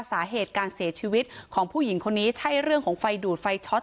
สาเหตุการเสียชีวิตของผู้หญิงคนนี้ใช่เรื่องของไฟดูดไฟช็อต